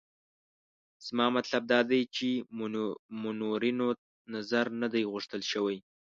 زما مطلب دا دی چې منورینو نظر نه دی غوښتل شوی.